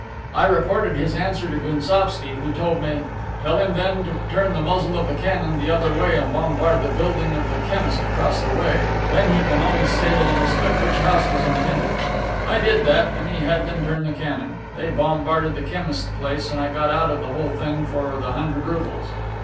I reported his answer to Gounsovski, who told me: 'Tell him then to turn the muzzle of the cannon the other way and bombard the building of the chemist across the way, then he can always say that he mistook which house was intended.' I did that, and he had them turn the cannon. They bombarded the chemist's place, and I got out of the whole thing for the hundred roubles.